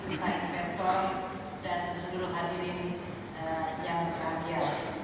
serta investor dan seluruh hadirin yang bahagia